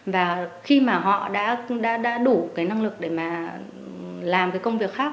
và khi mà họ đã đủ cái năng lực để mà làm cái công việc khác